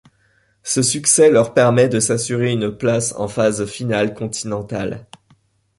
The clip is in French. Ce succès leur permet de s'assurer une place en phase finale continentale.